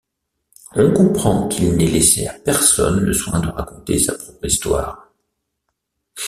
On comprend qu'il n'ait laissé à personne le soin de raconter sa propre histoire.